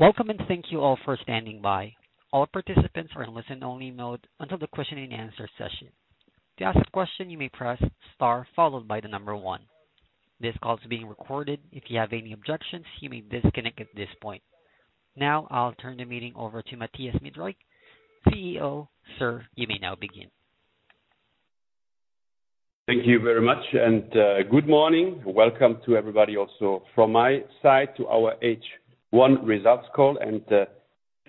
Welcome and thank you all for standing by. All participants are in listen only mode until the question and answer session. To ask a question you may press star followed by the number one. This call is being recorded. If you have any objections you may disconnect at this point. Now I'll turn the meeting over to Mathias Miedreich, CEO. Sir, you may now begin. Thank you very much and, good morning. Welcome to everybody also from my side to our H1 results call and,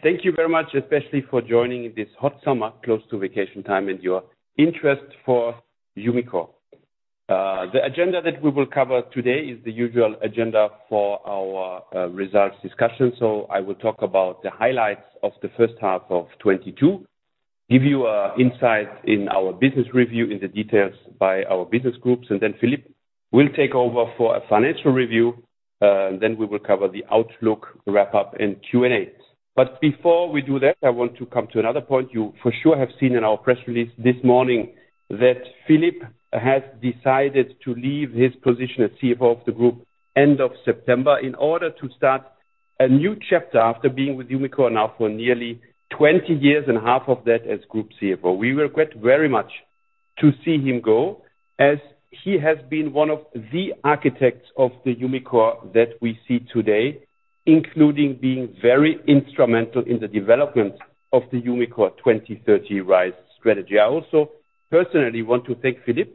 thank you very much, especially for joining this hot summer close to vacation time and your interest for Umicore. The agenda that we will cover today is the usual agenda for our results discussion. I will talk about the highlights of the first half of 2022, give you insight in our business review in the details by our business groups, and then Philippe will take over for a financial review. Then we will cover the outlook wrap up and Q&A. Before we do that, I want to come to another point. You for sure have seen in our press release this morning that Philippe has decided to leave his position as CFO of the group end of September in order to start a new chapter after being with Umicore now for nearly 20 years and half of that as group CFO. We regret very much to see him go as he has been one of the architects of the Umicore that we see today, including being very instrumental in the development of the Umicore 2030 RISE strategy. I also personally want to thank Philippe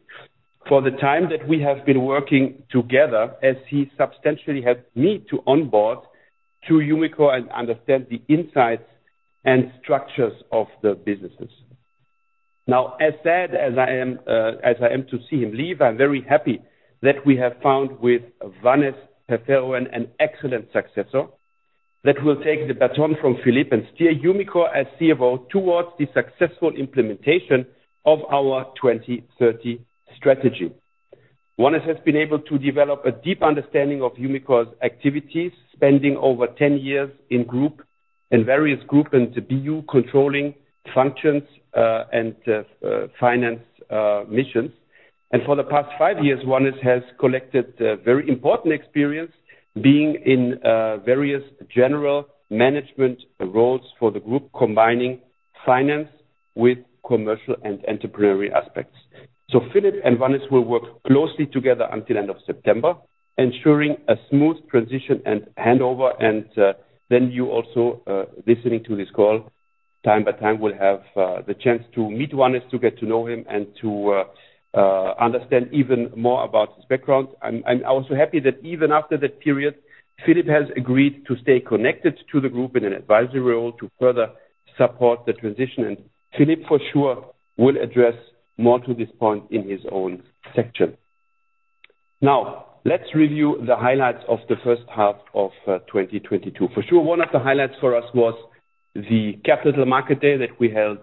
for the time that we have been working together as he substantially helped me to onboard to Umicore and understand the insights and structures of the businesses. Now, as sad as I am to see him leave, I'm very happy that we have found with Wannes Peferoen an excellent successor that will take the baton from Filip Platteeuw and steer Umicore as CFO towards the successful implementation of our 2030 strategy. Wannes Peferoen has been able to develop a deep understanding of Umicore's activities, spending over 10 years in the group in various group BU controlling functions and finance missions. For the past five years, Wannes Peferoen has collected a very important experience being in various general management roles for the group, combining finance with commercial and entrepreneurial aspects. Filip Platteeuw and Wannes Peferoen will work closely together until end of September, ensuring a smooth transition and handover. You also, listening to this call, time by time will have the chance to meet Wannes, to get to know him and to understand even more about his background. I'm also happy that even after that period, Filip has agreed to stay connected to the group in an advisory role to further support the transition. Filip for sure will address more to this point in his own section. Now, let's review the highlights of the first half of 2022. For sure, one of the highlights for us was the capital market day that we held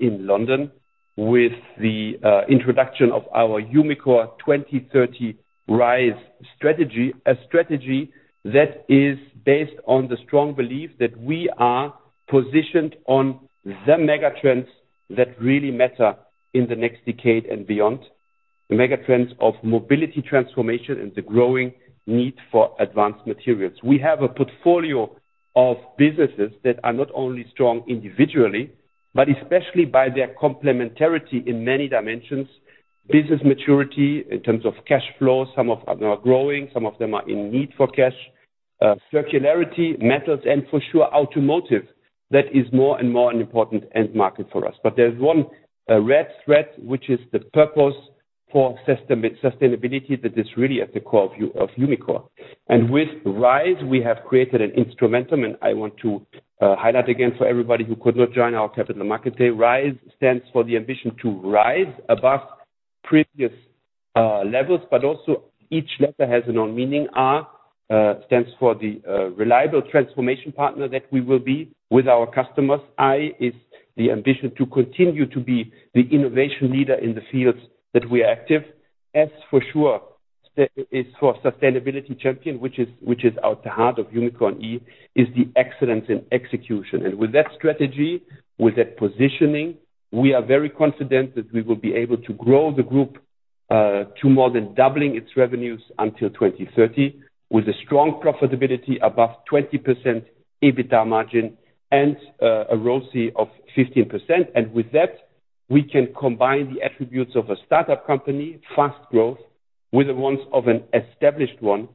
in London with the introduction of our Umicore 2030 RISE strategy. A strategy that is based on the strong belief that we are positioned on the mega trends that really matter in the next decade and beyond. The mega trends of mobility transformation and the growing need for advanced materials. We have a portfolio of businesses that are not only strong individually, but especially by their complementarity in many dimensions. Business maturity in terms of cash flow. Some of them are growing, some of them are in need for cash, circularity, metals, and for sure automotive. That is more and more an important end market for us. But there's one red thread, which is the purpose for sustainability that is really at the core of Umicore. With RISE we have created an instrument, and I want to highlight again for everybody who could not join our capital market day. RISE stands for the ambition to rise above previous levels, but also each letter has its own meaning. R stands for the reliable transformation partner that we will be with our customers. I is the ambition to continue to be the innovation leader in the fields that we are active. S for sure stands for sustainability champion, which is at the heart of Umicore. E is the excellence in execution. With that strategy, with that positioning, we are very confident that we will be able to grow the group to more than doubling its revenues until 2030, with a strong profitability above 20% EBITDA margin and a ROCE of 15%. With that, we can combine the attributes of a start-up company, fast growth, with the ones of an established one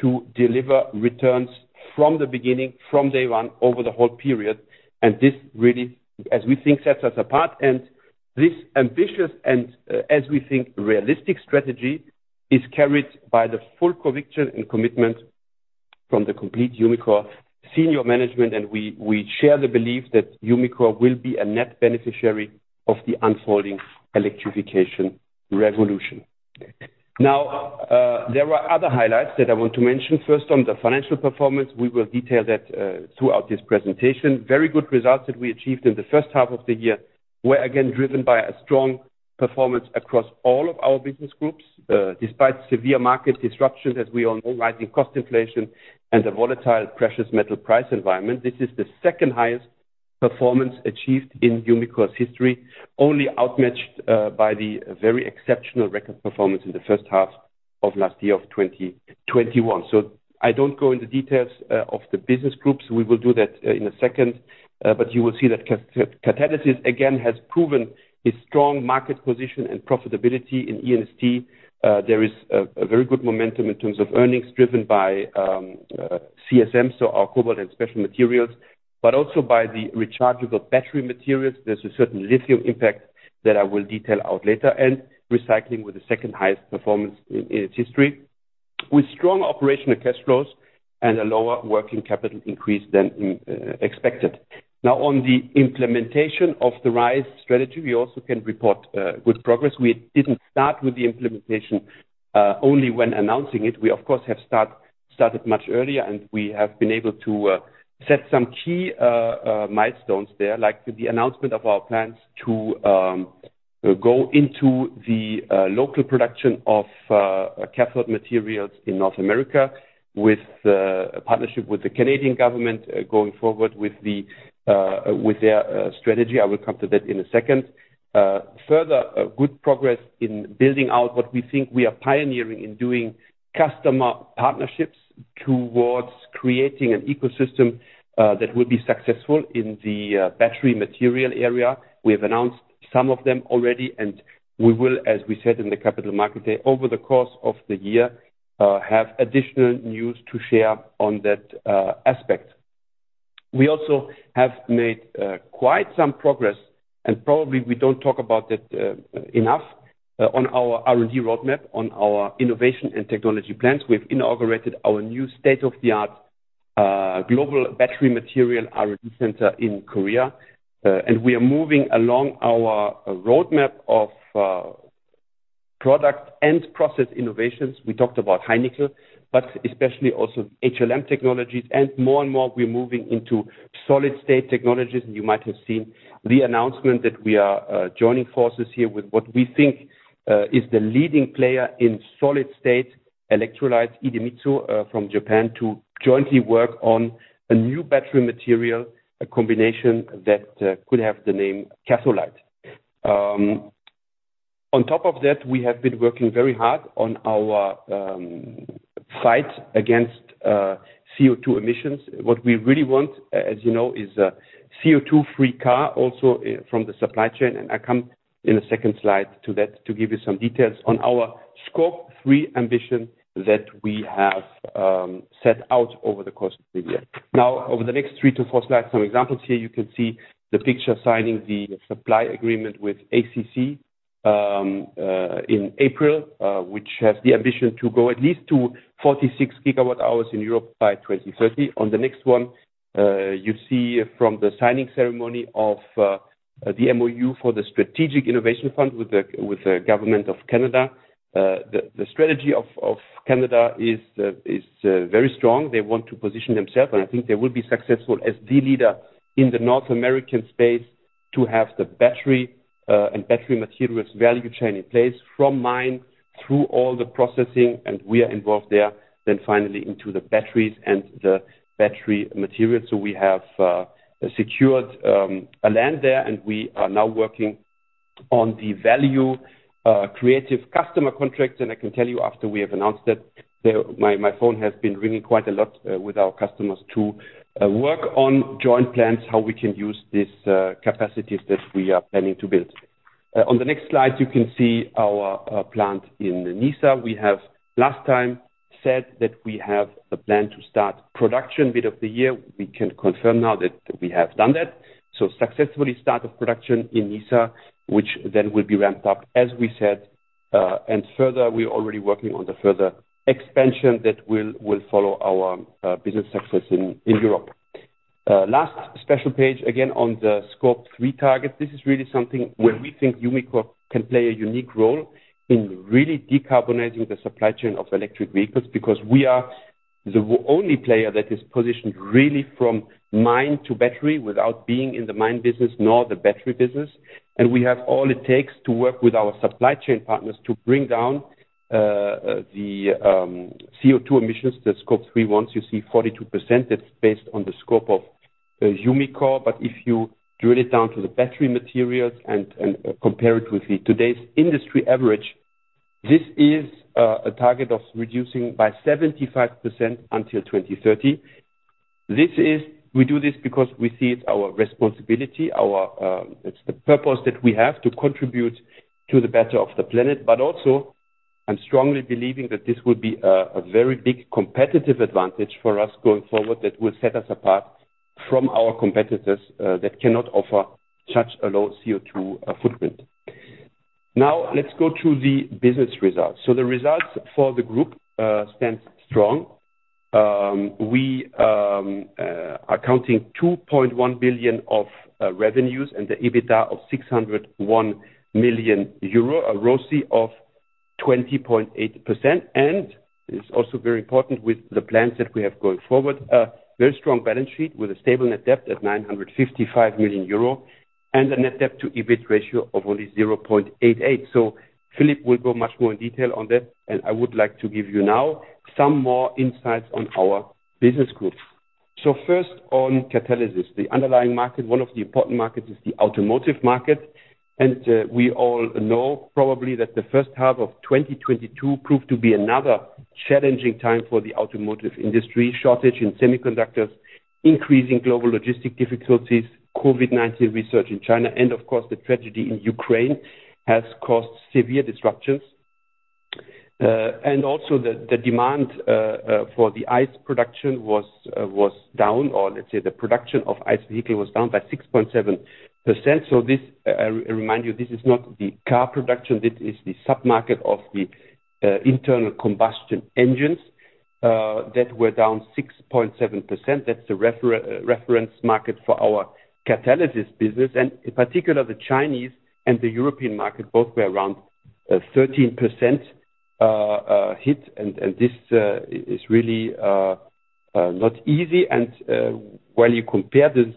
to deliver returns from the beginning, from day one over the whole period. This really, as we think, sets us apart. This ambitious and as we think, realistic strategy is carried by the full conviction and commitment from the complete Umicore senior management. We share the belief that Umicore will be a net beneficiary of the unfolding electrification revolution. Now, there are other highlights that I want to mention. First, on the financial performance, we will detail that throughout this presentation. Very good results that we achieved in the first half of the year were again driven by a strong performance across all of our business groups, despite severe market disruptions, as we all know, rising cost inflation and a volatile precious metal price environment. This is the second highest half performance achieved in Umicore's history only outmatched by the very exceptional record performance in the first half of last year of 2021. I don't go into details of the business groups. We will do that in a second. You will see that catalysis again has proven its strong market position and profitability in E&ST. There is a very good momentum in terms of earnings driven by CSM, so our cobalt and specialty materials, but also by the rechargeable battery materials. There's a certain lithium impact that I will detail out later, and recycling with the second highest performance in its history, with strong operational cash flows and a lower working capital increase than expected. Now, on the implementation of the RISE strategy, we also can report good progress. We didn't start with the implementation only when announcing it. We of course have started much earlier, and we have been able to set some key milestones there, like the announcement of our plans to go into the local production of cathode materials in North America with a partnership with the Canadian government going forward with their strategy. I will come to that in a second. Further good progress in building out what we think we are pioneering in doing customer partnerships towards creating an ecosystem that will be successful in the battery material area. We have announced some of them already, and we will, as we said in the Capital Markets Day, over the course of the year, have additional news to share on that aspect. We also have made quite some progress, and probably we don't talk about it enough, on our R&D roadmap, on our innovation and technology plans. We've inaugurated our new state-of-the-art global battery material R&D center in Korea, and we are moving along our roadmap of product and process innovations. We talked about high nickel, but especially also HLM technologies. More and more, we're moving into solid-state technologies. You might have seen the announcement that we are joining forces here with what we think is the leading player in solid-state electrolytes, Idemitsu from Japan, to jointly work on a new battery material, a combination that could have the name Catholyte. On top of that, we have been working very hard on our fight against CO₂ emissions. What we really want, as you know, is a CO₂-free car also from the supply chain, and I come in a second slide to that to give you some details on our Scope 3 ambition that we have set out over the course of the year. Now over the next 3-4 slides, some examples here. You can see the picture signing the supply agreement with ACC in April, which has the ambition to go at least to 46 GW hours in Europe by 2030. On the next one, you see from the signing ceremony of the MoU for the Strategic Innovation Fund with the government of Canada. The strategy of Canada is very strong. They want to position themselves, and I think they will be successful as the leader in the North American space to have the battery and battery materials value chain in place from mine through all the processing, and we are involved there. Finally into the batteries and the battery materials. We have secured land there, and we are now working on the value-creating customer contracts. I can tell you after we have announced that, my phone has been ringing quite a lot with our customers to work on joint plans, how we can use these capacities that we are planning to build. On the next slide, you can see our plant in Nysa. We have last time said that we have a plan to start production mid of the year. We can confirm now that we have done that. Successful start of production in Nysa, which then will be ramped up, as we said. Further, we're already working on the further expansion that will follow our business success in Europe. Last special page, again on the Scope 3 target. This is really something where we think Umicore can play a unique role in really decarbonizing the supply chain of electric vehicles because we are the only player that is positioned really from mine to battery without being in the mine business nor the battery business. We have all it takes to work with our supply chain partners to bring down the CO₂ emissions, the Scope 3 ones. You see 42%. That's based on the scope of Umicore. If you drill it down to the battery materials and compare it with today's industry average, this is a target of reducing by 75% until 2030. We do this because we see it's our responsibility, it's the purpose that we have to contribute to the better of the planet. I am strongly believing that this will be a very big competitive advantage for us going forward that will set us apart from our competitors that cannot offer such a low CO₂ footprint. Now let's go to the business results. The results for the group stand strong. We are counting 2.1 billion of revenues and the EBITDA of 601 million euro, a ROCE of 20.8%. It's also very important with the plans that we have going forward, a very strong balance sheet with a stable net debt at 955 million euro and a net debt to EBIT ratio of only 0.88. Filip will go much more in detail on that, and I would like to give you now some more insights on our business groups. First on Catalysis, the underlying market, one of the important markets is the automotive market. We all know probably that the first half of 2022 proved to be another challenging time for the automotive industry. Shortage in semiconductors, increasing global logistical difficulties, COVID-19 resurgence in China, and of course, the tragedy in Ukraine has caused severe disruptions. Also the demand for the ICE production was down, or let's say the production of ICE vehicle was down by 6.7%. This, I remind you, this is not the car production, this is the sub-market of the internal combustion engines that were down 6.7%. That's the reference market for our Catalysis business. In particular, the Chinese and the European market both were around 13% hit. This is really not easy. When you compare the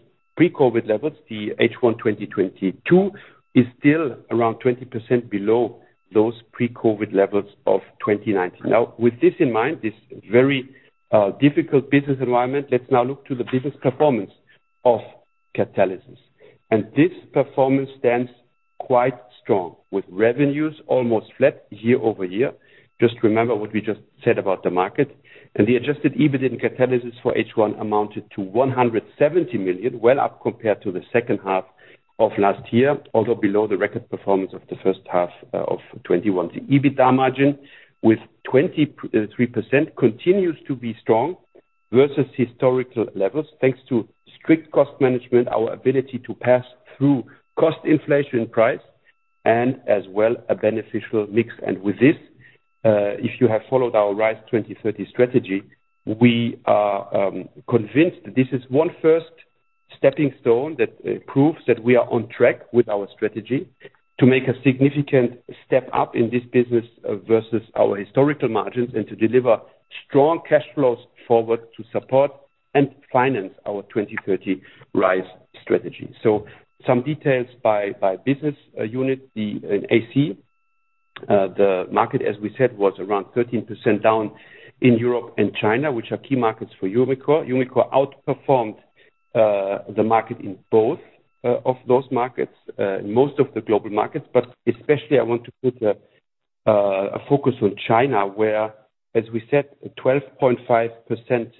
pre-COVID-19 levels, the H1 2022 is still around 20% below those pre-COVID-19 levels of 2019. Now with this in mind, this very difficult business environment, let's now look to the business performance of Catalysis. This performance stands quite strong, with revenues almost flat year-over-year. Just remember what we just said about the market. The adjusted EBIT in Catalysis for H1 amounted to 170 million, well up compared to the second half of last year, although below the record performance of the first half of 2021. The EBITDA margin with 23% continues to be strong versus historical levels, thanks to strict cost management, our ability to pass through cost inflation pricing, and as well a beneficial mix. With this, if you have followed our RISE 2030 strategy, we are convinced that this is one first stepping stone that proves that we are on track with our strategy to make a significant step up in this business versus our historical margins and to deliver strong cash flows forward to support and finance our 2030 RISE strategy. Some details by business unit. The AC, the market, as we said, was around 13% down in Europe and China, which are key markets for Umicore. Umicore outperformed the market in both of those markets, in most of the global markets, but especially I want to put a focus on China, where, as we said, a 12.5%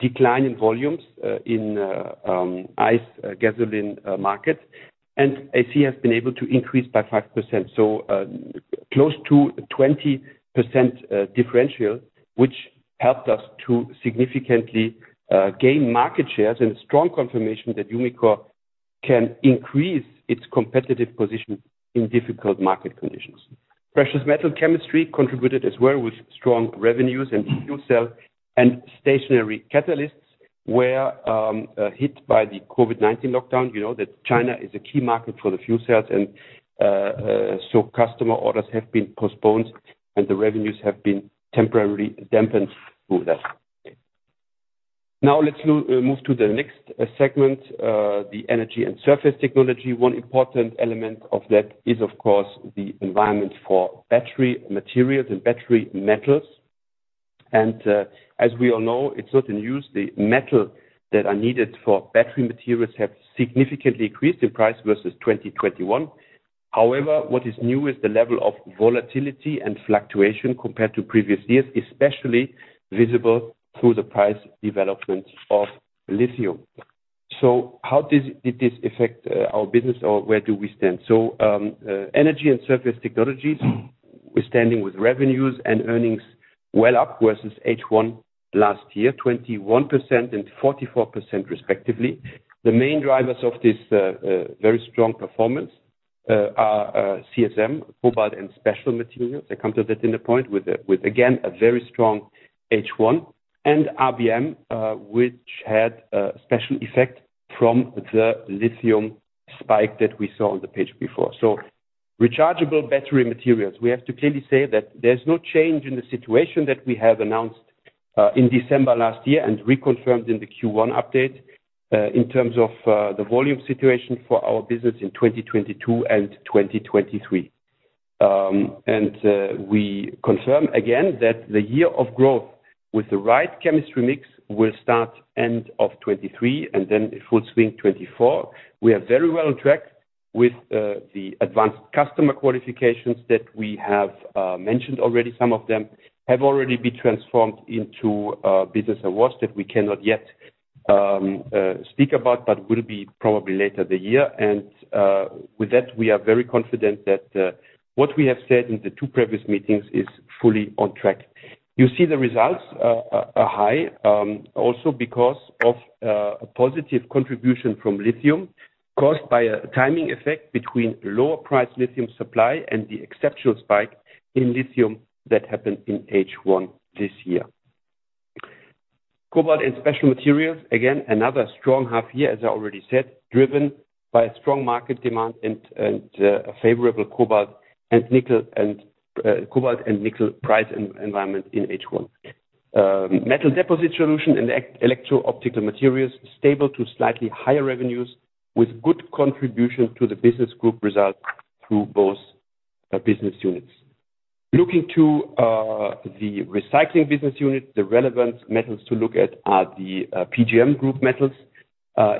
decline in volumes in ICE gasoline market. AC has been able to increase by 5%. Close to 20% differential, which helped us to significantly gain market shares and a strong confirmation that Umicore can increase its competitive position in difficult market conditions. Precious Metals Chemistry contributed as well with strong revenues and Fuel Cell & Stationary Catalysts were hit by the COVID-19 lockdown. You know that China is a key market for the fuel cells and so customer orders have been postponed, and the revenues have been temporarily dampened through that. Now let's move to the next segment, the Energy & Surface Technologies. One important element of that is, of course, the environment for battery materials and battery metals. As we all know, it's been intense. The metals that are needed for battery materials have significantly increased in price versus 2021. However, what is new is the level of volatility and fluctuation compared to previous years, especially visible through the price development of lithium. How did this affect our business or where do we stand? Energy & Surface Technologies, we're standing with revenues and earnings well up versus H1 last year, 21% and 44% respectively. The main drivers of this very strong performance are CSM, Cobalt & Specialty Materials. I come to that in a point with again a very strong H1 and RBM, which had a special effect from the lithium spike that we saw on the page before. Rechargeable Battery Materials. We have to clearly say that there's no change in the situation that we have announced in December last year and reconfirmed in the Q1 update in terms of the volume situation for our business in 2022 and 2023. We confirm again that the year of growth with the right chemistry mix will start end of 2023 and then in full swing 2024. We are very well on track with the advanced customer qualifications that we have mentioned already. Some of them have already been transformed into business awards that we cannot yet speak about, but will be probably later the year. With that, we are very confident that what we have said in the two previous meetings is fully on track. You see the results are high, also because of a positive contribution from lithium caused by a timing effect between lower priced lithium supply and the exceptional spike in lithium that happened in H1 this year. Cobalt & Specialty Materials, again, another strong half year, as I already said, driven by a strong market demand and a favorable cobalt and nickel price environment in H1. Metal Deposition Solutions and Electro-Optic Materials, stable to slightly higher revenues with good contribution to the business group results through both business units. Looking to the recycling business unit, the relevant metals to look at are the PGM group metals,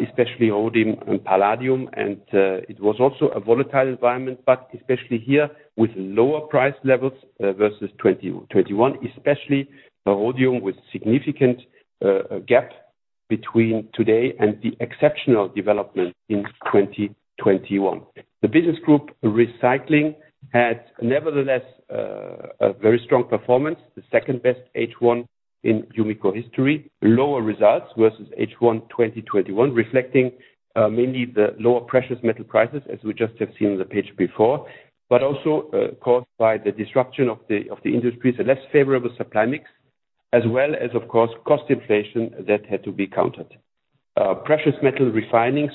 especially rhodium and palladium. It was also a volatile environment, but especially here with lower price levels versus 2021, especially for rhodium, with significant gap between today and the exceptional development in 2021. The business group Recycling had nevertheless a very strong performance, the second best H1 in Umicore history. Lower results versus H1 2021, reflecting mainly the lower precious metal prices, as we just have seen the page before, but also caused by the disruption of the industry, the less favorable supply mix, as well as of course cost inflation that had to be countered. Precious Metals Refining,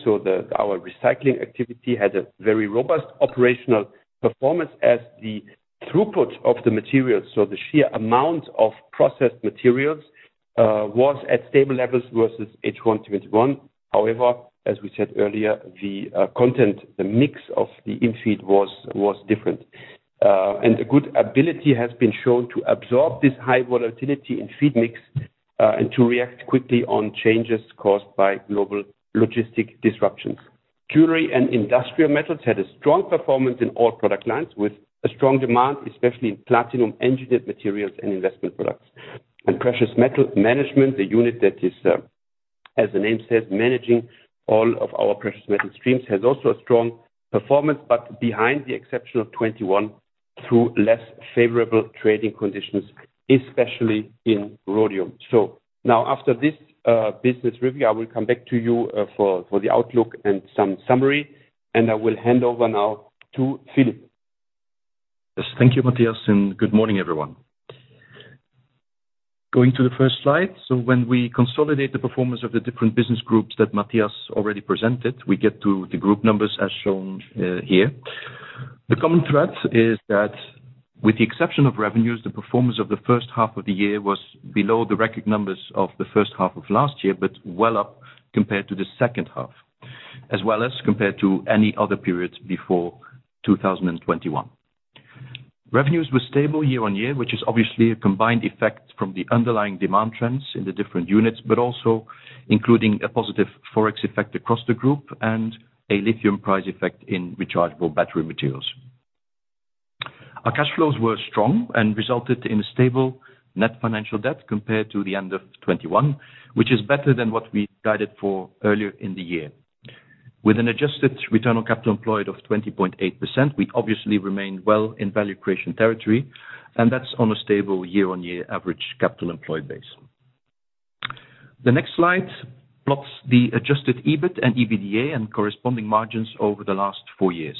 our recycling activity had a very robust operational performance as the throughput of the material, the sheer amount of processed materials, was at stable levels versus H1 2021. However, as we said earlier, the content, the mix of the in-feed was different. A good ability has been shown to absorb this high volatility in feed mix, and to react quickly on changes caused by global logistic disruptions. Jewelry & Industrial Metals had a strong performance in all product lines, with a strong demand, especially in Platinum Engineered Materials and Investment Products. Precious Metals Management, the unit that is, as the name says, managing all of our precious metal streams, has also a strong performance, but behind the exceptional 2021 through less favorable trading conditions, especially in rhodium. Now after this business review, I will come back to you for the outlook and some summary, and I will hand over now to Filip. Yes. Thank you, Mathias, and good morning, everyone. Going to the first slide. When we consolidate the performance of the different business groups that Mathias already presented, we get to the group numbers as shown here. The common thread is that with the exception of revenues, the performance of the first half of the year was below the record numbers of the first half of last year, but well up compared to the second half, as well as compared to any other periods before 2021. Revenues were stable year-over-year, which is obviously a combined effect from the underlying demand trends in the different units, but also including a positive Forex effect across the group and a lithium price effect in Rechargeable Battery Materials. Our cash flows were strong and resulted in a stable net financial debt compared to the end of 2021, which is better than what we guided for earlier in the year. With an adjusted return on capital employed of 20.8%, we obviously remain well in value creation territory, and that's on a stable year-on-year average capital employed base. The next slide plots the adjusted EBIT and EBITDA and corresponding margins over the last four years.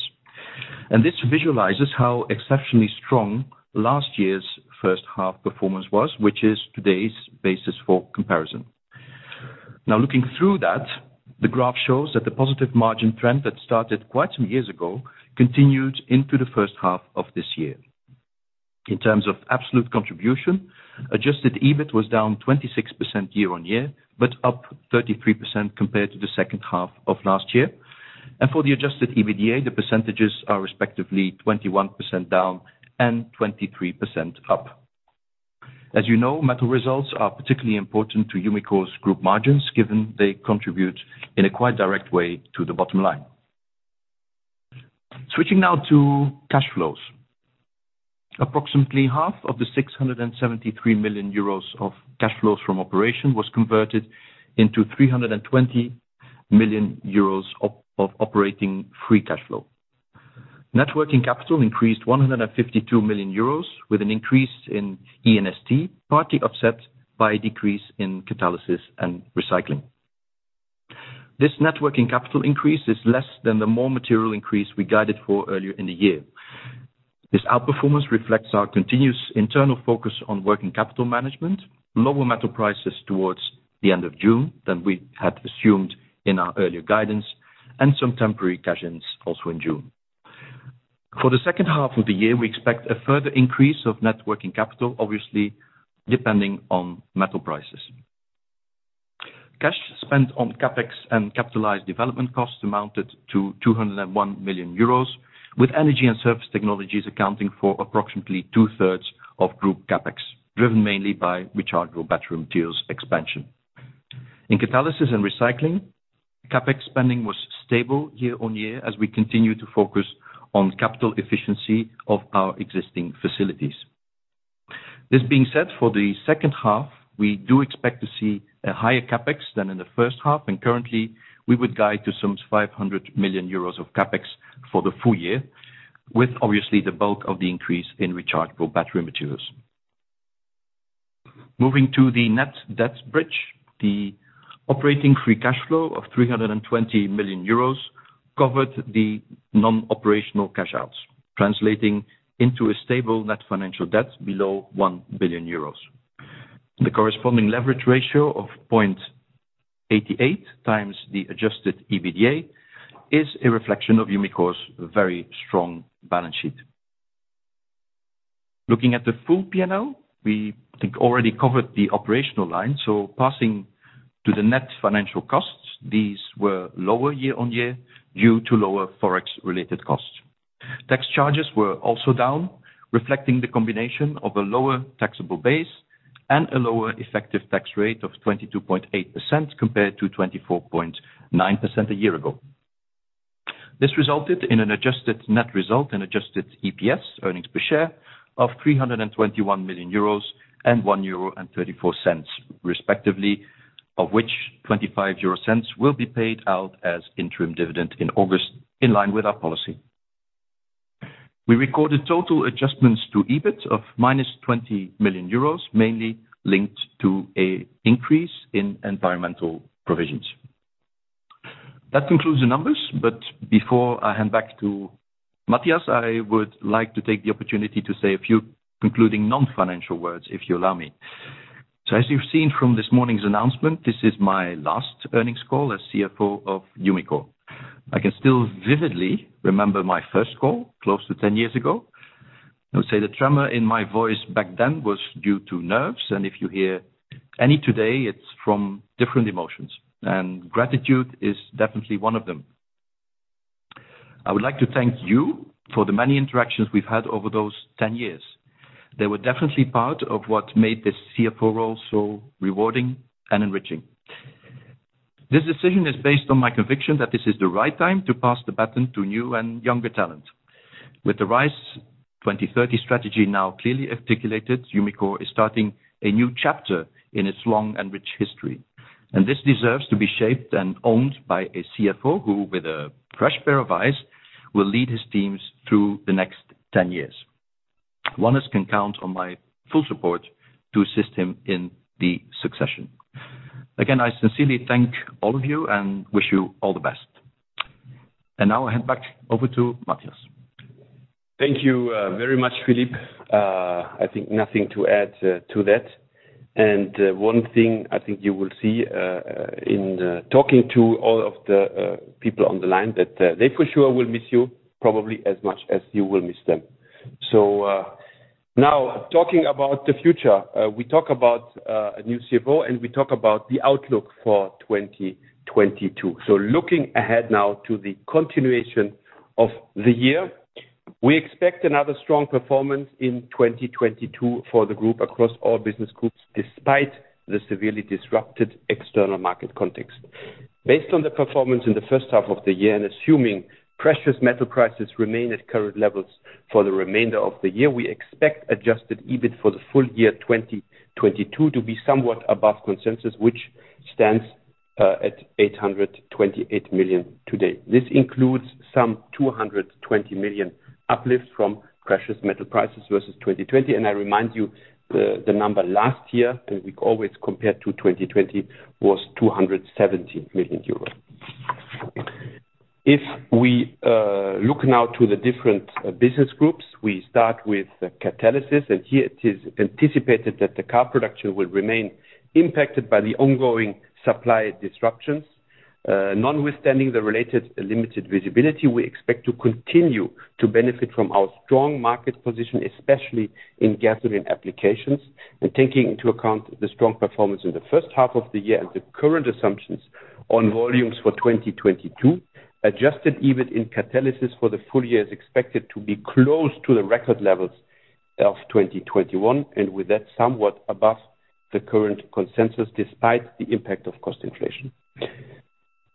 This visualizes how exceptionally strong last year's first half performance was, which is today's basis for comparison. Now looking through that, the graph shows that the positive margin trend that started quite some years ago continued into the first half of this year. In terms of absolute contribution, adjusted EBIT was down 26% year-on-year, but up 33% compared to the second half of last year. For the adjusted EBITDA, the percentages are respectively 21% down and 23% up. As you know, metal results are particularly important to Umicore's group margins, given they contribute in a quite direct way to the bottom line. Switching now to cash flows. Approximately half of the 673 million euros of cash flows from operations was converted into 320 million euros of operating free cash flow. Net working capital increased 152 million euros, with an increase in E&ST, partly offset by a decrease in Catalysis and Recycling. This net working capital increase is less than the more material increase we guided for earlier in the year. This outperformance reflects our continuous internal focus on working capital management, lower metal prices towards the end of June than we had assumed in our earlier guidance, and some temporary cash-ins also in June. For the second half of the year, we expect a further increase of net working capital, obviously depending on metal prices. Cash spent on CapEx and capitalized development costs amounted to 201 million euros, with Energy & Surface Technologies accounting for approximately two-thirds of group CapEx, driven mainly by Rechargeable Battery Materials expansion. In Catalysis and Recycling, CapEx spending was stable year-over-year as we continue to focus on capital efficiency of our existing facilities. This being said, for the second half, we do expect to see a higher CapEx than in the first half, and currently we would guide to some 500 million euros of CapEx for the full year, with obviously the bulk of the increase in Rechargeable Battery Materials. Moving to the net debt bridge. The operating free cash flow of 320 million euros covered the non-operational cash outs, translating into a stable net financial debt below 1 billion euros. The corresponding leverage ratio of 0.88x the adjusted EBITDA is a reflection of Umicore's very strong balance sheet. Looking at the full P&L, we, I think, already covered the operational line, so passing to the net financial costs, these were lower year on year due to lower Forex related costs. Tax charges were also down, reflecting the combination of a lower taxable base and a lower effective tax rate of 22.8% compared to 24.9% a year ago. This resulted in an adjusted net result and adjusted EPS, earnings per share, of 321 million euros and 1.34 euro respectively, of which 0.25 will be paid out as interim dividend in August, in line with our policy. We recorded total adjustments to EBIT of -20 million euros, mainly linked to an increase in environmental provisions. That concludes the numbers, but before I hand back to Mathias, I would like to take the opportunity to say a few concluding non-financial words, if you allow me. As you've seen from this morning's announcement, this is my last earnings call as CFO of Umicore. I can still vividly remember my first call close to 10 years ago. I would say the tremor in my voice back then was due to nerves, and if you hear any today, it's from different emotions, and gratitude is definitely one of them. I would like to thank you for the many interactions we've had over those 10 years. They were definitely part of what made this CFO role so rewarding and enriching. This decision is based on my conviction that this is the right time to pass the baton to new and younger talent. With the RISE 2030 strategy now clearly articulated, Umicore is starting a new chapter in its long and rich history, and this deserves to be shaped and owned by a CFO who, with a fresh pair of eyes, will lead his teams through the next 10 years. Wannes can count on my full support to assist him in the succession. Again, I sincerely thank all of you and wish you all the best. Now I hand back over to Mathias. Thank you, very much, Filip. I think nothing to add to that. One thing I think you will see in talking to all of the people on the line that they for sure will miss you probably as much as you will miss them. Now talking about the future, we talk about a new CFO, and we talk about the outlook for 2022. Looking ahead now to the continuation of the year, we expect another strong performance in 2022 for the group across all business groups, despite the severely disrupted external market context. Based on the performance in the first half of the year and assuming precious metal prices remain at current levels for the remainder of the year, we expect Adjusted EBIT for the full year 2022 to be somewhat above consensus, which stands at 828 million today. This includes some 220 million uplift from precious metal prices versus 2020. I remind you the number last year, and we always compared to 2020, was 270 million euros. If we look now to the different business groups, we start with Catalysis, and here it is anticipated that the car production will remain impacted by the ongoing supply disruptions. Notwithstanding the related limited visibility, we expect to continue to benefit from our strong market position, especially in gasoline applications. Taking into account the strong performance in the first half of the year and the current assumptions on volumes for 2022, Adjusted EBIT in Catalysis for the full year is expected to be close to the record levels of 2021, and with that, somewhat above the current consensus despite the impact of cost inflation.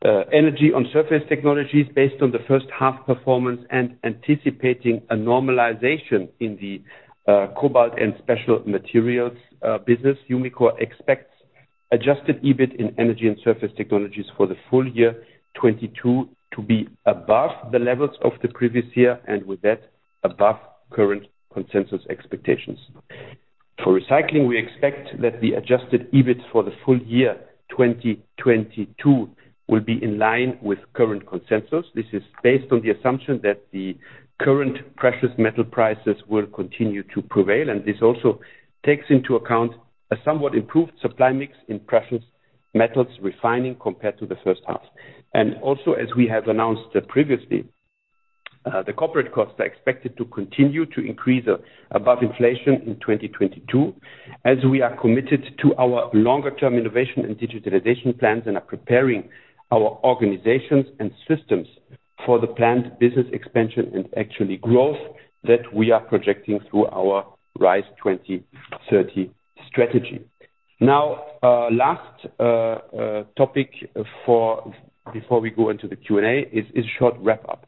Energy & Surface Technologies based on the first half performance and anticipating a normalization in the Cobalt & Specialty Materials business, Umicore expects Adjusted EBIT in Energy & Surface Technologies for the full year 2022 to be above the levels of the previous year, and with that above current consensus expectations. For Recycling, we expect that the adjusted EBIT for the full year 2022 will be in line with current consensus. This is based on the assumption that the current precious metal prices will continue to prevail, and this also takes into account a somewhat improved supply mix in Precious Metals Refining compared to the first half. Also as we have announced previously, the corporate costs are expected to continue to increase above inflation in 2022 as we are committed to our longer-term innovation and digitalization plans and are preparing our organizations and systems for the planned business expansion and actually growth that we are projecting through our RISE 2030 strategy. Now, last topic before we go into the Q&A is a short wrap up.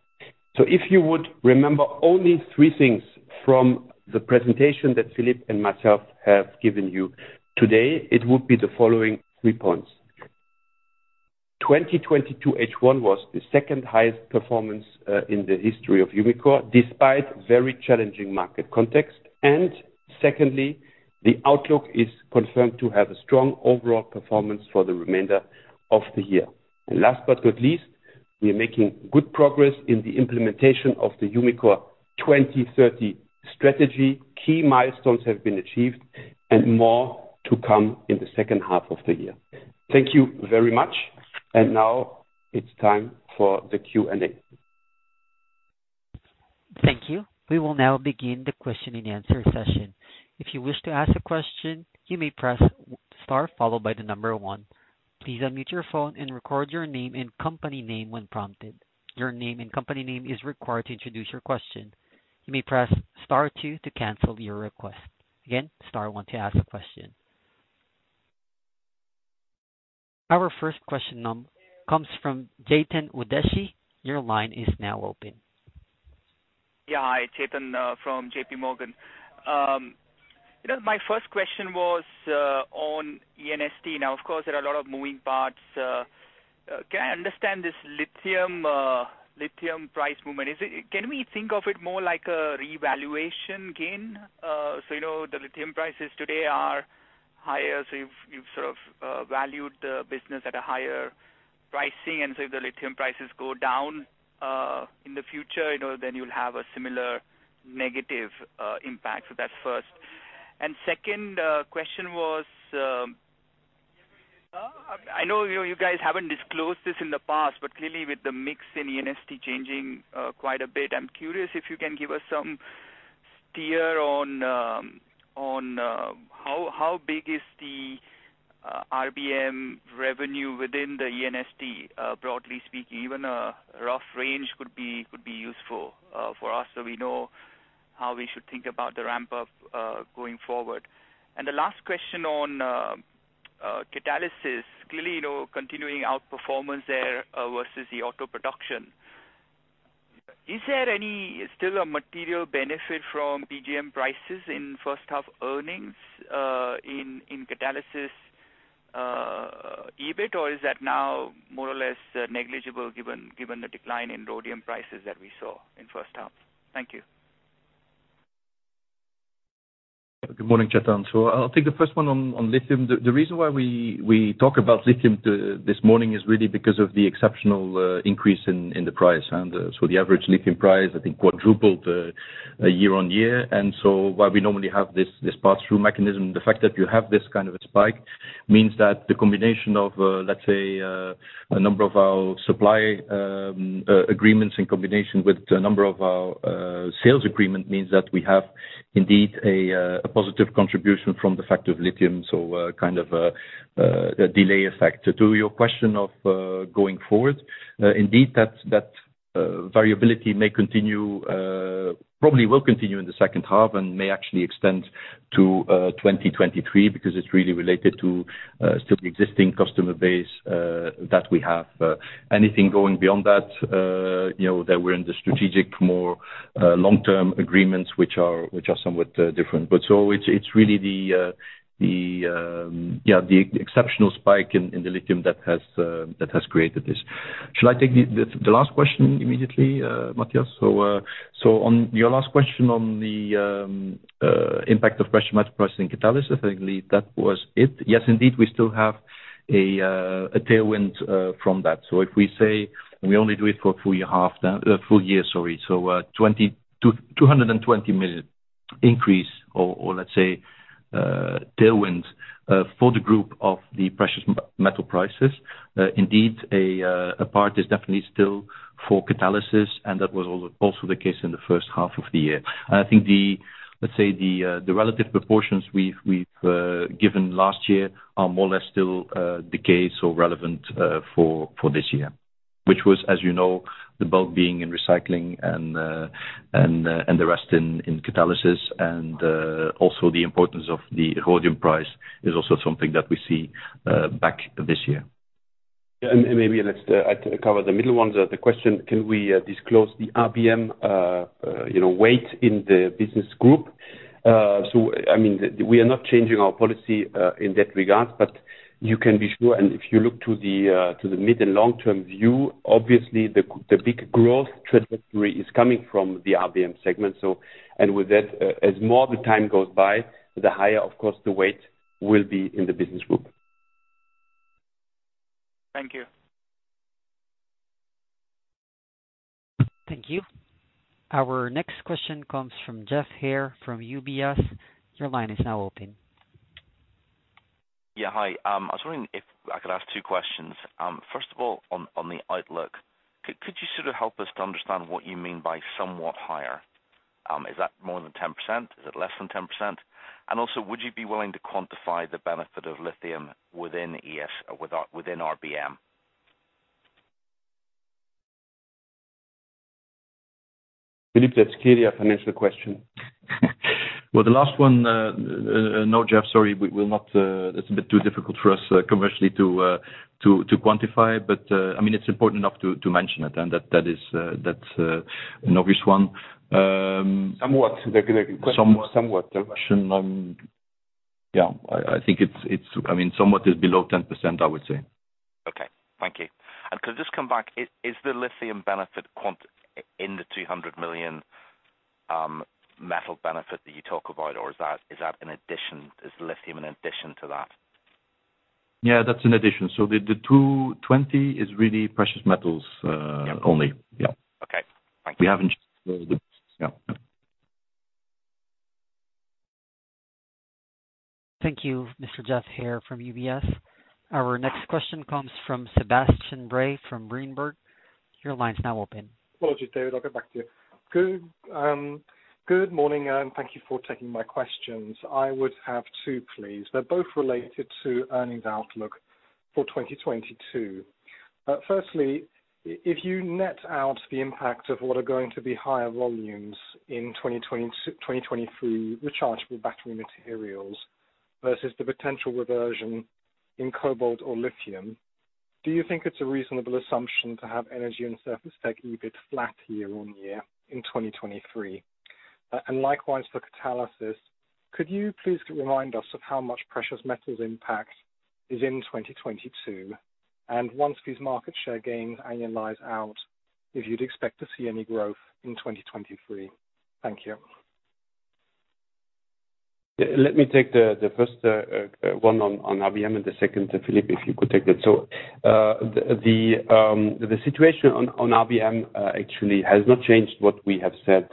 If you would remember only three things from the presentation that Filip and myself have given you today, it would be the following three points. 2022 H1 was the second highest performance in the history of Umicore, despite very challenging market context. Secondly, the outlook is confirmed to have a strong overall performance for the remainder of the year. Last but not least, we are making good progress in the implementation of the Umicore 2030 strategy. Key milestones have been achieved and more to come in the second half of the year. Thank you very much. Now it's time for the Q&A. Thank you. We will now begin the question and answer session. If you wish to ask a question, you may press star followed by the number one. Please unmute your phone and record your name and company name when prompted. Your name and company name is required to introduce your question. You may press star two to cancel your request. Again, star one to ask a question. Our first question comes from Chetan Udeshi. Your line is now open. Yeah. Hi, Chetan Udeshi from JPMorgan. You know, my first question was on E&ST. Now, of course, there are a lot of moving parts. Can I understand this lithium price movement? Can we think of it more like a revaluation gain? You know, the lithium prices today are higher, so you've sort of valued the business at a higher pricing, and so if the lithium prices go down in the future, you know, then you'll have a similar negative impact. That's first. Second question was, I know you guys haven't disclosed this in the past, but clearly with the mix in E&ST changing quite a bit, I'm curious if you can give us some steer on how big is the RBM revenue within the E&ST, broadly speaking. Even a rough range could be useful for us, so we know how we should think about the ramp-up going forward. The last question on Catalysis. Clearly, you know, continuing outperformance there versus the auto production. Is there any still a material benefit from PGM prices in first half earnings in Catalysis EBIT, or is that now more or less negligible given the decline in rhodium prices that we saw in first half? Thank you. Good morning, Chetan Udeshi. I'll take the first one on lithium. The reason why we talk about lithium this morning is really because of the exceptional increase in the price. The average lithium price, I think, quadrupled year-on-year. While we normally have this pass-through mechanism, the fact that you have this kind of a spike means that the combination of a number of our supply agreements in combination with a number of our sales agreements means that we have indeed a positive contribution from the fact of lithium. Kind of a delay effect. To your question of going forward, indeed, that variability may continue, probably will continue in the second half and may actually extend to 2023 because it's really related to still the existing customer base that we have. Anything going beyond that, you know, that we're in the strategic more long-term agreements which are somewhat different. It's really the exceptional spike in the lithium that has created this. Shall I take the last question immediately, Mathias? On your last question on the impact of precious metal price in Catalysis, I think that was it. Yes, indeed, we still have a tailwind from that. If we say we only do it for a full year, sorry. 220 million increase or let's say tailwind for the group of the precious metal prices. Indeed, a part is definitely still for catalysis, and that was also the case in the first half of the year. I think the, let's say, the relative proportions we've given last year are more or less still the case or relevant for this year, which was, as you know, the bulk being in recycling and the rest in catalysis. Also the importance of the rhodium price is also something that we see back this year. Maybe let's cover the middle one. The question, can we disclose the RBM, you know, weight in the business group? I mean, we are not changing our policy in that regard, but you can be sure, and if you look to the mid and long-term view, obviously the big growth trajectory is coming from the RBM segment. With that, as more time goes by, the higher, of course, the weight will be in the business group. Thank you. Thank you. Our next question comes from Geoff Haire from UBS. Your line is now open. Yeah, hi. I was wondering if I could ask two questions. First of all, on the outlook, could you sort of help us to understand what you mean by somewhat higher? Is that more than 10%? Is it less than 10%? And also, would you be willing to quantify the benefit of lithium within RBM? Filip, that's clearly a financial question. Well, the last one, no, Geoff, sorry, we will not, it's a bit too difficult for us commercially to quantify, but, I mean, it's important enough to mention it and that is, that's an obvious one. Somewhat. The question was somewhat. I think it's, I mean, somewhat below 10%, I would say. Okay. Thank you. Could I just come back? Is the lithium benefit quantified in the 200 million metal benefit that you talk about, or is that an addition? Is lithium an addition to that? Yeah, that's an addition. The 220 is really precious metals only. Okay. Thank you. We haven't. Yeah. Thank you, Mr. Geoff Haire from UBS. Our next question comes from Sebastian Bray from Berenberg. Your line's now open. Apologies, David, I'll get back to you. Good morning, and thank you for taking my questions. I would have two, please. They're both related to earnings outlook for 2022. Firstly, if you net out the impact of what are going to be higher volumes in 2023 Rechargeable Battery Materials versus the potential reversion in cobalt or lithium, do you think it's a reasonable assumption to have Energy & Surface Tech EBIT flat year-on-year in 2023? Likewise for Catalysis, could you please remind us of how much Precious Metals impact is in 2022? Once these market share gains annualize out, if you'd expect to see any growth in 2023. Thank you. Yeah, let me take the first one on RBM and the second to Filip, if you could take that. The situation on RBM actually has not changed what we have said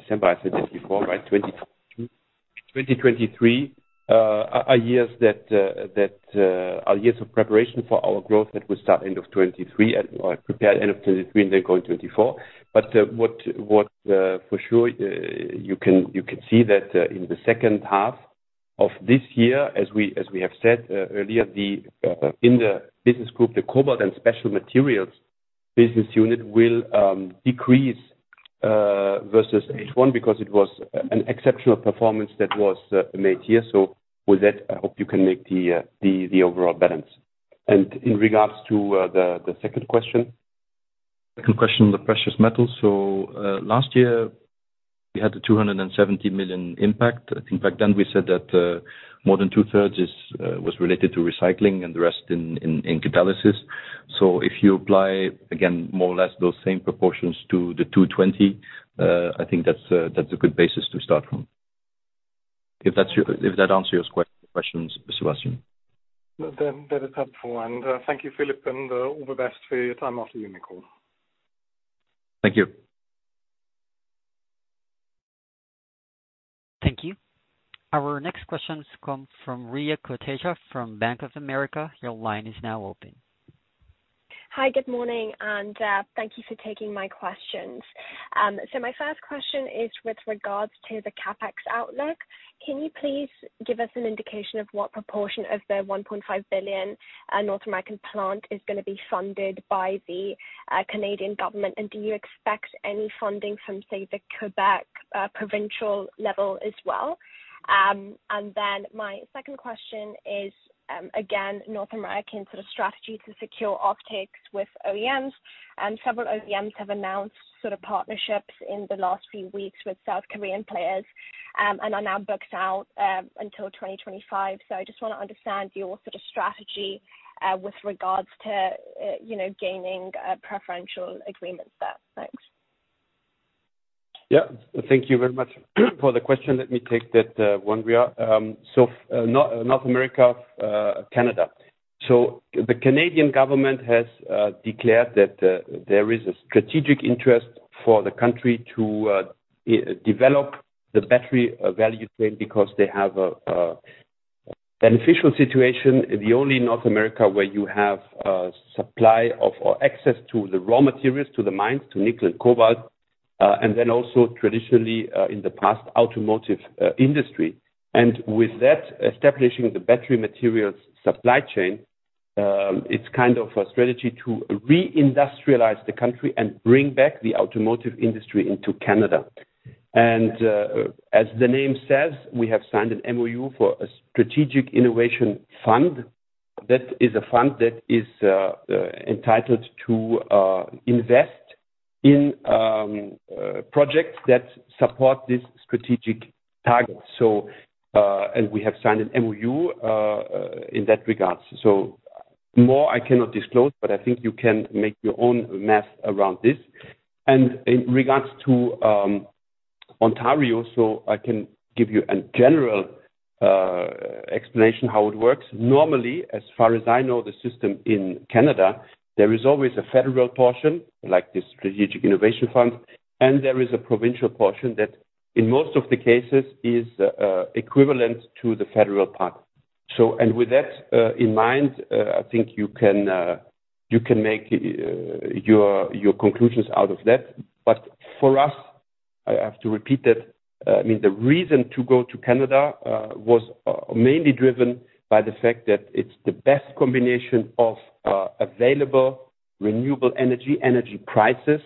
December. I said this before, right? 2023 are years of preparation for our growth that will start end of 2023 and/or prepare end of 2023 and then go in 2024. What for sure you can see that in the second half of this year as we have said earlier, in the business group, the cobalt and special materials business unit will decrease versus H1 because it was an exceptional performance that was made here. With that, I hope you can make the overall balance. In regards to the second question. Second question on the precious metals. Last year we had a 270 million impact. I think back then we said that more than two-thirds was related to Recycling and the rest in Catalysis. If you apply again more or less those same proportions to the 220, I think that's a good basis to start from. If that answers your questions, Sebastian. That is helpful. Thank you, Filip Platteeuw, and all the best for your time after the call. Thank you. Thank you. Our next questions come from Riya Kotecha, from Bank of America. Your line is now open. Hi, good morning, and thank you for taking my questions. My first question is with regards to the CapEx outlook. Can you please give us an indication of what proportion of the 1.5 billion North American plant is gonna be funded by the Canadian government? Do you expect any funding from, say, the Quebec provincial level as well? My second question is, again, North American sort of strategy to secure offtakes with OEMs. Several OEMs have announced sort of partnerships in the last few weeks with South Korean players, and are now booked out until 2025. I just wanna understand your sort of strategy with regards to you know, gaining preferential agreements there. Thanks. Yeah. Thank you very much for the question. Let me take that one, Rhea. North America, Canada. The Canadian government has declared that there is a strategic interest for the country to develop the battery value chain because they have a beneficial situation, the only in North America where you have supply of, or access to, the raw materials, to the mines, to nickel and cobalt, and then also traditionally, in the past, automotive industry. With that, establishing the battery materials supply chain, it's kind of a strategy to re-industrialize the country and bring back the automotive industry into Canada. As the name says, we have signed an MOU for a Strategic Innovation Fund. That is a fund that is entitled to invest in projects that support this strategic target. We have signed an MOU in that regard. More I cannot disclose, but I think you can make your own math around this. In regard to Ontario, I can give you a general explanation how it works. Normally, as far as I know, the system in Canada, there is always a federal portion, like the Strategic Innovation Fund, and there is a provincial portion that, in most of the cases is equivalent to the federal part. With that in mind, I think you can make your conclusions out of that. For us, I have to repeat that, I mean, the reason to go to Canada was mainly driven by the fact that it's the best combination of available renewable energy prices,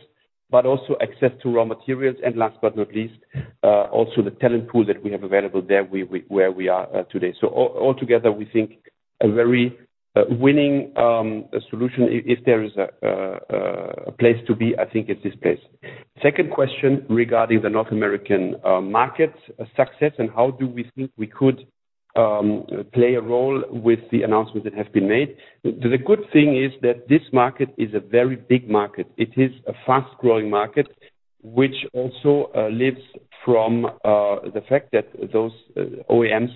but also access to raw materials, and last but not least, also the talent pool that we have available there where we are today. All together, we think a very winning solution if there is a place to be, I think it's this place. Second question regarding the North American market success and how do we think we could play a role with the announcements that have been made. The good thing is that this market is a very big market. It is a fast-growing market which also lives from the fact that those OEMs.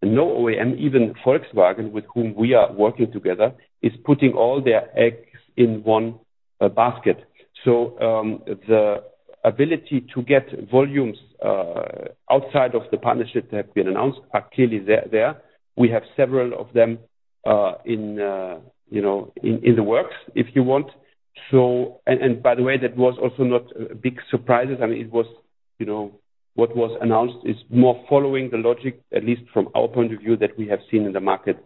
No OEM, even Volkswagen, with whom we are working together, is putting all their eggs in one basket. The ability to get volumes outside of the partnerships that have been announced are clearly there. We have several of them in, you know, in the works, if you want. By the way, that was also no big surprises. I mean, it was, you know, what was announced is more following the logic, at least from our point of view, that we have seen in the market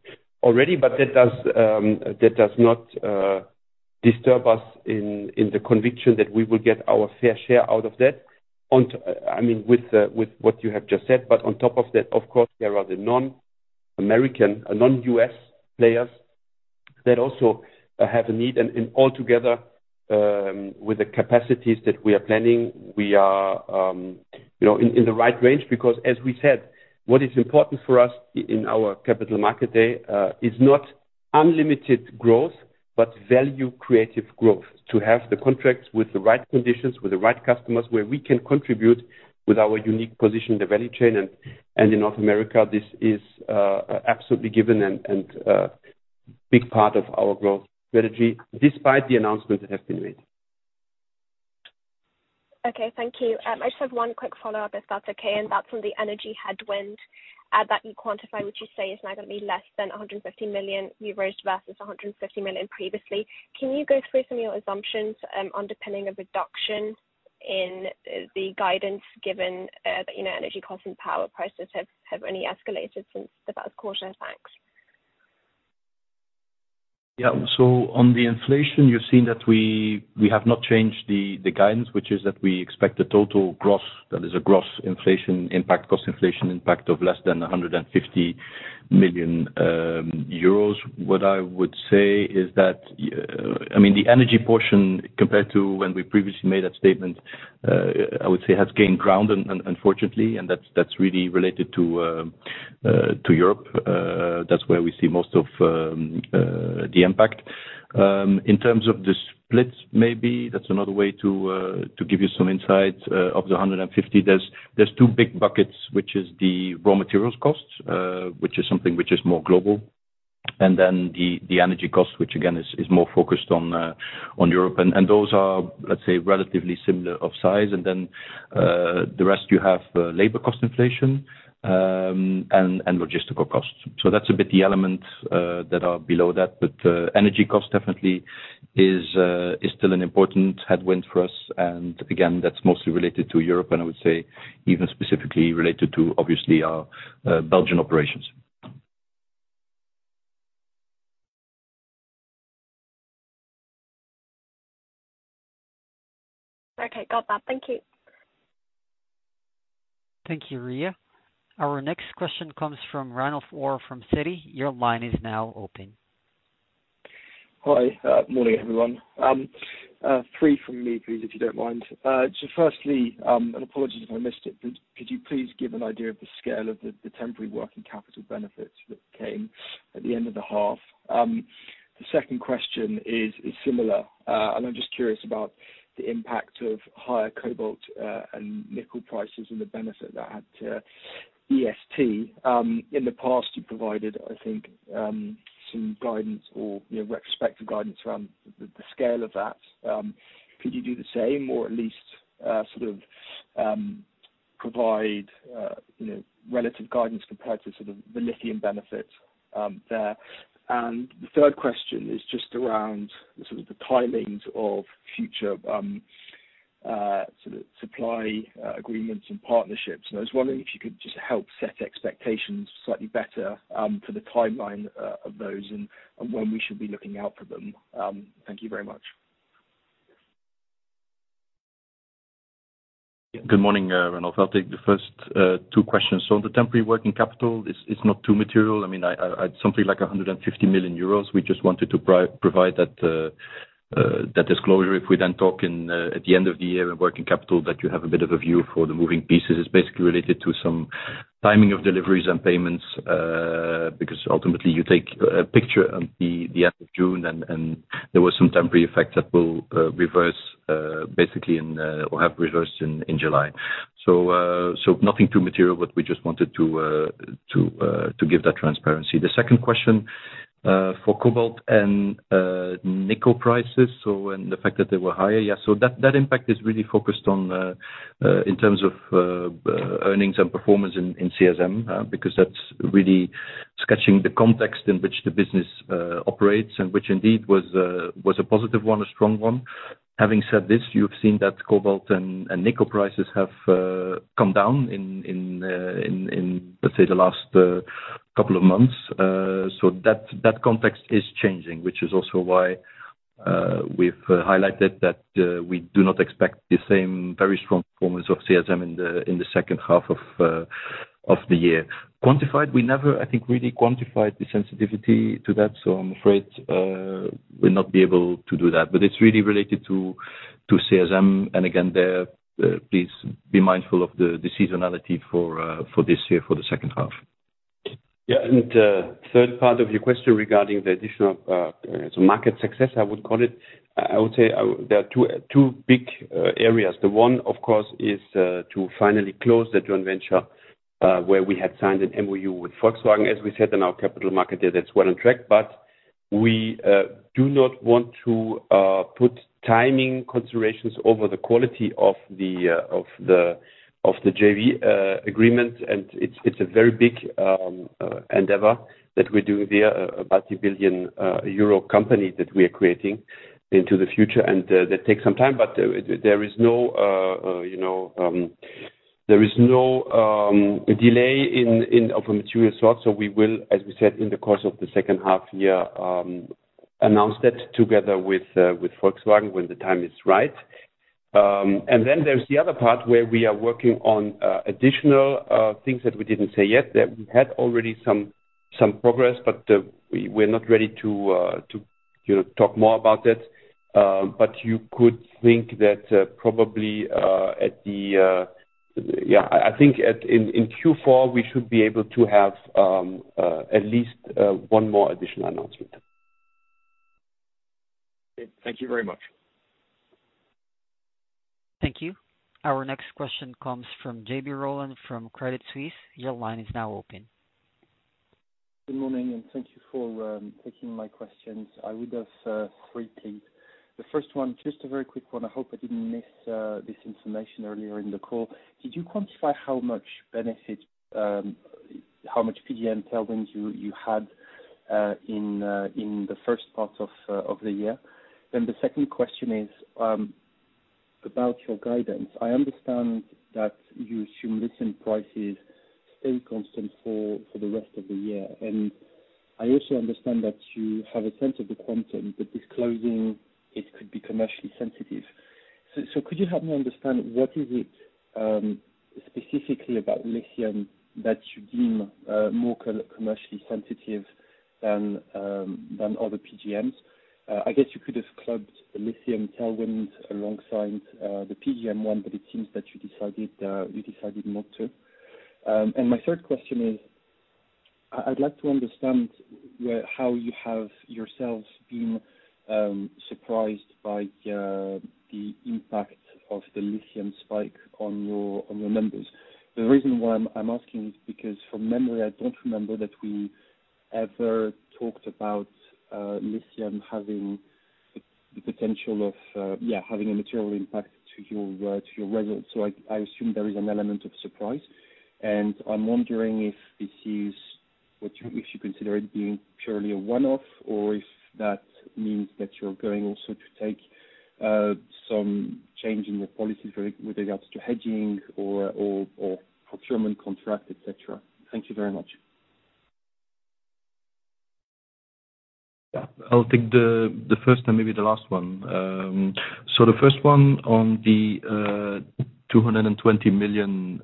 already. That does not disturb us in the conviction that we will get our fair share out of that. I mean, with what you have just said, but on top of that, of course, there are the non-American, non-US players that also have a need. Altogether, with the capacities that we are planning, we are, you know, in the right range. Because as we said, what is important for us in our capital market day is not unlimited growth, but value creative growth. To have the contracts with the right conditions, with the right customers, where we can contribute with our unique position in the value chain. In North America, this is absolutely given and big part of our growth strategy, despite the announcements that have been made. Okay, thank you. I just have one quick follow-up, if that's okay, and that's on the energy headwind that you quantify, which you say is now gonna be less than 150 million euros you've raised versus 150 million previously. Can you go through some of your assumptions underpinning a reduction in the guidance given that, you know, energy costs and power prices have only escalated since the first quarter? Thanks. Yeah. On the inflation, you've seen that we have not changed the guidance, which is that we expect a total gross, that is a gross inflation impact, cost inflation impact of less than 150 million euros. What I would say is that, I mean, the energy portion, compared to when we previously made that statement, I would say has gained ground, unfortunately, and that's really related to Europe. That's where we see most of the impact. In terms of the splits, maybe that's another way to give you some insight. Of the 150, there's two big buckets, which is the raw materials costs, which is something which is more global. The energy costs, which again, is more focused on Europe. Those are, let's say, relatively similar of size. Then the rest you have labor cost inflation and logistical costs. That's a bit the elements that are below that. Energy cost definitely is still an important headwind for us. Again, that's mostly related to Europe, and I would say even specifically related to, obviously, our Belgian operations. Okay. Got that. Thank you. Thank you, Ria. Our next question comes from Ranulf Orr from Citi. Your line is now open. Hi. Morning, everyone. Three from me, please, if you don't mind. Firstly, apologies if I missed it, could you please give an idea of the scale of the temporary working capital benefits that came at the end of the half? The second question is similar. I'm just curious about the impact of higher cobalt and nickel prices and the benefit that had to E&ST. In the past, you provided, I think, some guidance or, you know, retrospective guidance around the scale of that. Could you do the same or at least sort of provide, you know, relative guidance compared to sort of the lithium benefit there? The third question is just around the sort of timings of future supply agreements and partnerships. I was wondering if you could just help set expectations slightly better for the timeline of those and when we should be looking out for them. Thank you very much. Good morning, Randolph. I'll take the first two questions. The temporary working capital is not too material. I mean, it's something like 150 million euros. We just wanted to provide that disclosure. If we then talk in at the end of the year in working capital, that you have a bit of a view for the moving pieces. It's basically related to some timing of deliveries and payments, because ultimately you take a picture at the end of June and there was some temporary effects that will reverse basically in or have reversed in July. Nothing too material, but we just wanted to give that transparency. The second question for cobalt and nickel prices and the fact that they were higher. That impact is really focused on, in terms of, earnings and performance in CSM, because that's really setting the context in which the business operates and which indeed was a positive one, a strong one. Having said this, you've seen that cobalt and nickel prices have come down in, let's say, the last couple of months. That context is changing, which is also why we've highlighted that we do not expect the same very strong performance of CSM in the second half of the year. Quantified, we never, I think, really quantified the sensitivity to that, so I'm afraid, we'll not be able to do that. It's really related to CSM, and again, there, please be mindful of the seasonality for this year, for the second half. Yeah. Third part of your question regarding the additional so market success, I would call it. I would say there are two big areas. The one, of course, is to finally close the joint venture where we had signed an MOU with Volkswagen, as we said in our capital market day, that's well on track. But- We do not want to put timing considerations over the quality of the JV agreement. It's a very big endeavor that we do there, a multi-billion EUR company that we are creating into the future. That takes some time, but there is no, you know, delay of a material sort. We will, as we said, in the course of the second half year, announce that together with Volkswagen when the time is right. Then there's the other part where we are working on additional things that we didn't say yet, that we had already some progress, but we're not ready to, you know, talk more about that. You could think that probably I think in Q4 we should be able to have at least one more additional announcement. Thank you very much. Thank you. Our next question comes from JB Rolland from Credit Suisse. Your line is now open. Good morning, and thank you for taking my questions. I would ask three things. The first one, just a very quick one. I hope I didn't miss this information earlier in the call. Did you quantify how much benefit, how much PGM tailwinds you had in the first part of the year? The second question is about your guidance. I understand that you assume lithium prices stay constant for the rest of the year. I also understand that you have a sense of the quantum, but disclosing it could be commercially sensitive. So could you help me understand what is it specifically about lithium that you deem more commercially sensitive than other PGMs? I guess you could have clubbed the lithium tailwinds alongside the PGM one, but it seems that you decided not to. My third question is, I'd like to understand how you have yourselves been surprised by the impact of the lithium spike on your numbers. The reason why I'm asking is because from memory, I don't remember that we ever talked about lithium having the potential of having a material impact to your results. I assume there is an element of surprise, and I'm wondering if you consider it being purely a one-off or if that means that you're going also to take some change in your policies with regards to hedging or procurement contract, et cetera. Thank you very much. Yeah. I'll take the first and maybe the last one. The first one on the 220 million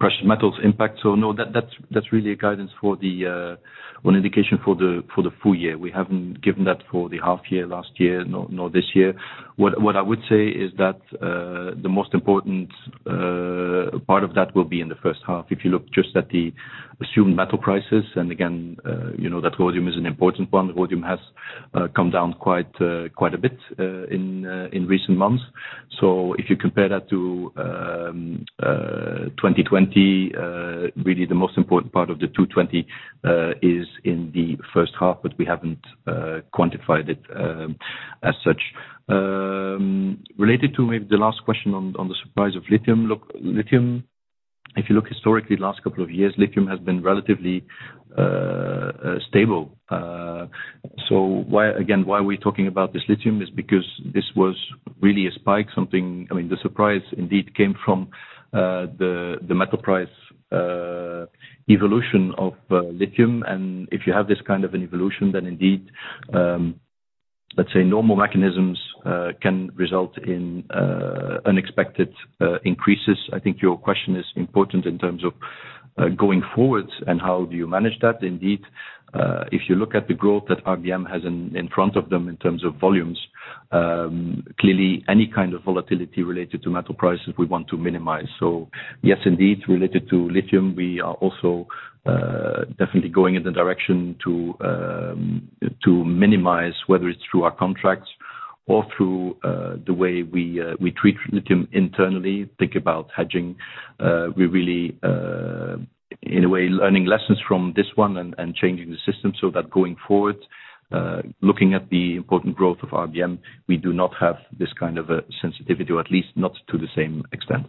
precious metals impact. No, that's really a guidance for the or an indication for the full year. We haven't given that for the half year last year, nor this year. What I would say is that the most important part of that will be in the first half. If you look just at the assumed metal prices, and again, you know that rhodium is an important one, rhodium has come down quite a bit in recent months. If you compare that to 2020, really the most important part of 2020 is in the first half, but we haven't quantified it as such. Related to maybe the last question on the surprise of lithium. Look, lithium, if you look historically, the last couple of years, lithium has been relatively stable. Why, again, why are we talking about this lithium is because this was really a spike, something. I mean, the surprise indeed came from the metal price evolution of lithium. If you have this kind of an evolution, then indeed, let's say normal mechanisms can result in unexpected increases. I think your question is important in terms of going forward and how do you manage that. Indeed, if you look at the growth that RBM has in front of them in terms of volumes, clearly any kind of volatility related to metal prices we want to minimize. Yes, indeed, related to lithium, we are also definitely going in the direction to minimize whether it's through our contracts or through the way we treat lithium internally, think about hedging. We really in a way learning lessons from this one and changing the system so that going forward, looking at the important growth of RBM, we do not have this kind of a sensitivity, or at least not to the same extent.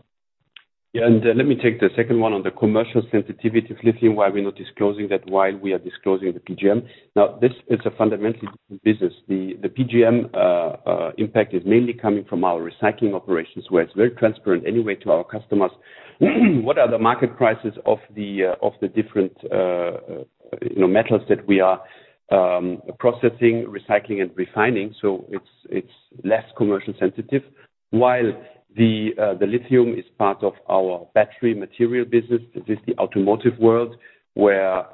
Yeah. Let me take the second one on the commercial sensitivity of lithium, why we're not disclosing that, why we are disclosing the PGM. Now, this is a fundamentally different business. The PGM impact is mainly coming from our recycling operations, where it's very transparent anyway to our customers what the market prices of the different, you know, metals that we are processing, recycling and refining. So it's less commercially sensitive. While the lithium is part of our battery material business. This is the automotive world where,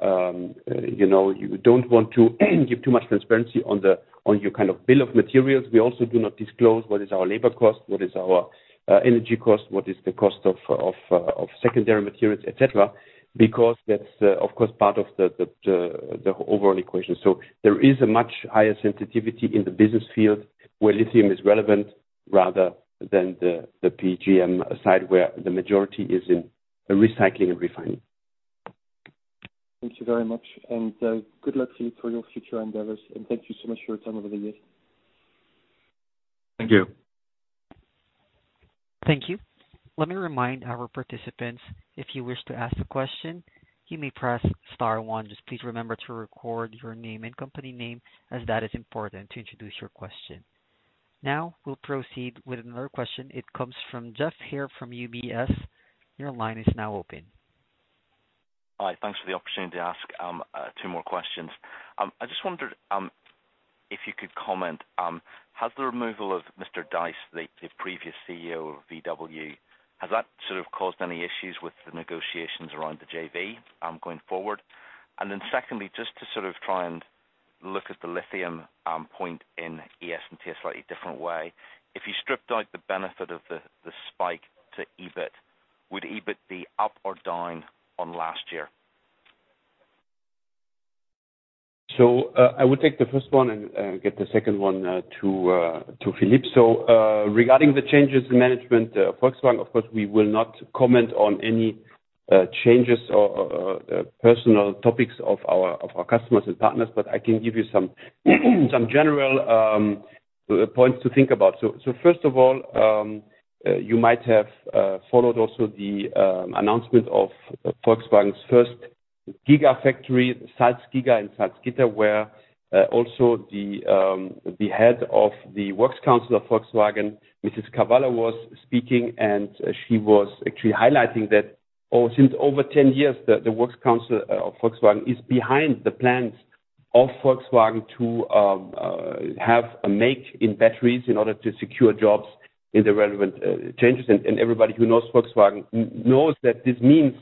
you know, you don't want to give too much transparency on your kind of bill of materials. We also do not disclose what is our labor cost, what is our energy cost, what is the cost of secondary materials, et cetera, because that's of course part of the overall equation. There is a much higher sensitivity in the business field where lithium is relevant rather than the PGM side where the majority is in the recycling and refining. Thank you very much. Good luck to you for your future endeavors, and thank you so much for your time over the years. Thank you. Thank you. Let me remind our participants, if you wish to ask a question, you may press star one. Just please remember to record your name and company name as that is important to introduce your question. Now, we'll proceed with another question. It comes from Geoff Haire from UBS. Your line is now open. Hi. Thanks for the opportunity to ask two more questions. I just wondered if you could comment. Has the removal of Herbert Diess, the previous CEO of VW, caused any issues with the negotiations around the JV going forward? Then secondly, just to sort of try and look at the lithium point in ES&T a slightly different way. If you stripped out the benefit of the spike to EBIT, would EBIT be up or down on last year? I would take the first one and get the second one to Filip. Regarding the changes in management, Volkswagen, of course, we will not comment on any changes or personal topics of our customers and partners, but I can give you some general points to think about. First of all, you might have followed also the announcement of Volkswagen's first giga factory, SalzGiga, in Salzgitter, where also the head of the works council of Volkswagen, Mrs. Cavallo, was speaking, and she was actually highlighting that since over ten years, the works council of Volkswagen is behind the plans of Volkswagen to have to make batteries in order to secure jobs in the relevant changes. Everybody who knows Volkswagen knows that this means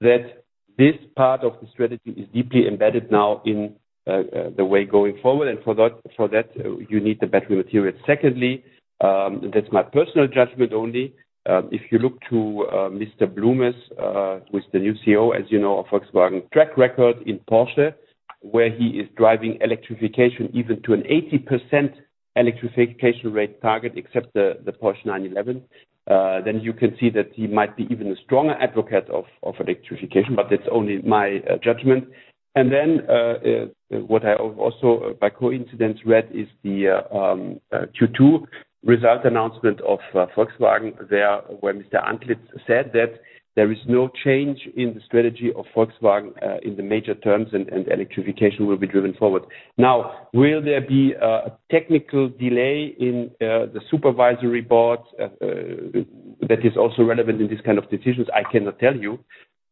that this part of the strategy is deeply embedded now in the way going forward. For that, you need the battery material. Secondly, that's my personal judgment only. If you look to Mr. Blume, who is the new CEO, as you know, of Volkswagen track record in Porsche, where he is driving electrification even to an 80% electrification rate target, except the Porsche 911, then you can see that he might be even a stronger advocate of electrification, but it's only my judgment. What I also by coincidence read is the Q2 result announcement of Volkswagen there, where Mr. Antlitz said that there is no change in the strategy of Volkswagen in the major terms and electrification will be driven forward. Now, will there be a technical delay in the supervisory board that is also relevant in these kind of decisions? I cannot tell you,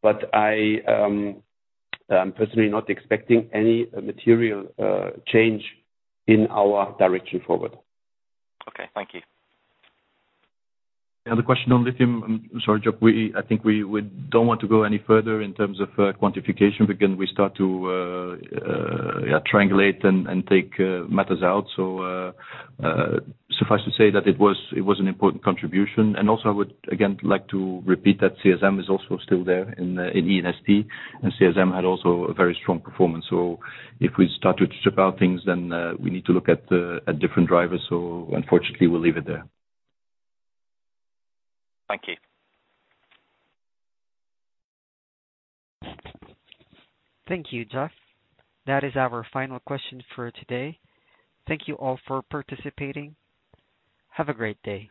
but I'm personally not expecting any material change in our direction forward. Okay. Thank you. Yeah. The question on lithium, I'm sorry, Geoff Haire. I think we don't want to go any further in terms of quantification. Again, we start to triangulate and take matters out. Suffice to say that it was an important contribution. Also I would again like to repeat that CSM is also still there in E&ST, and CSM had also a very strong performance. If we start to chip out things then, we need to look at different drivers. Unfortunately we'll leave it there. Thank you. Thank you, Geoff. That is our final question for today. Thank you all for participating. Have a great day.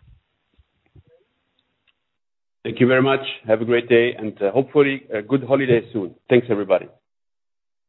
Thank you very much. Have a great day and hopefully a good holiday soon. Thanks everybody.